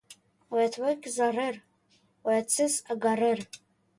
Оятлы кызарыр, оятсыз агарыр.